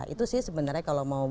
itu sih sebenarnya kalau mau